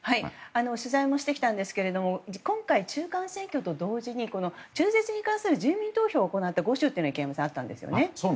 取材もしてきたんですが今回、中間選挙と同時に中絶に関する住民投票を行った５州があったんですよね。